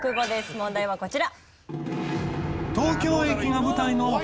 問題はこちら。